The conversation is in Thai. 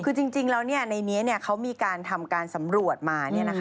คือจริงแล้วในนี้เขามีการทำการสำรวจมา